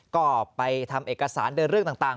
ก็ไปทำเอกสารเดินเรื่องต่าง